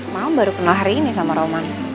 mama baru kenal hari ini sama roman